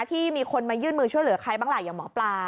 ที่มีคนมายื่นมือช่วยเหลือใครบ้างล่ะอย่างหมอปลา